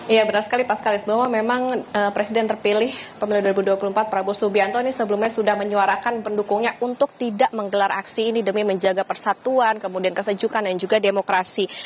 iya benar sekali pak sekali bahwa memang presiden terpilih pemilu dua ribu dua puluh empat prabowo subianto ini sebelumnya sudah menyuarakan pendukungnya untuk tidak menggelar aksi ini demi menjaga persatuan kemudian kesejukan dan juga demokrasi